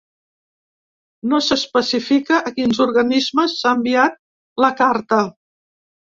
No s’especifica a quins organismes s’ha enviat la carta.